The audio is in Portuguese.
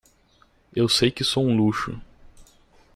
Eu sei que sou um luxo.